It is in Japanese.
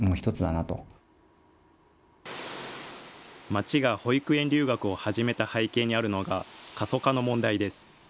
町が保育園留学を始めた背景にあるのが、過疎化の問題です。